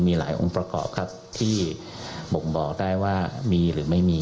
มีหลายองค์ประกอบครับที่บ่งบอกได้ว่ามีหรือไม่มี